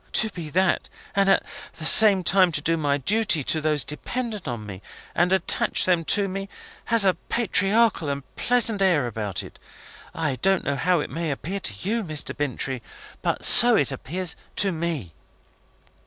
To be that, and at the same time to do my duty to those dependent on me, and attach them to me, has a patriarchal and pleasant air about it. I don't know how it may appear to you, Mr Bintrey, but so it appears to me."